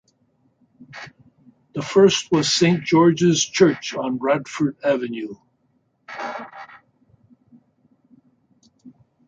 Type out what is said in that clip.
The first was Saint George's church, on Radford Avenue.